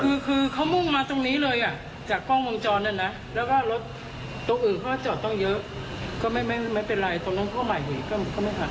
คือคือเขามุ่งมาตรงนี้เลยอ่ะจากกล้องวงจรเนี่ยนะแล้วก็รถตรงอื่นเขาก็จอดต้องเยอะก็ไม่ไม่เป็นไรตรงนั้นเข้ามาอีกก็ไม่ทัน